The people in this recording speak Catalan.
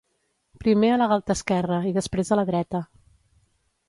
Primer a la galta esquerra i després a la dreta.